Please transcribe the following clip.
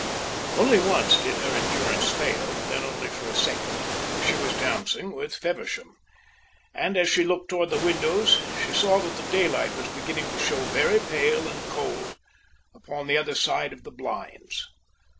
Only once did her endurance fail, and then only for a second. She was dancing with Feversham, and as she looked toward the windows she saw that the daylight was beginning to show very pale and cold upon the other side of the blinds.